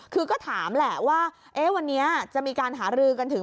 คือก็ถามแหละว่าวันนี้จะมีการหารือกันถึง